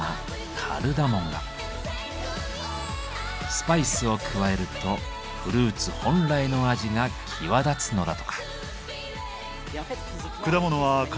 スパイスを加えるとフルーツ本来の味が際立つのだとか。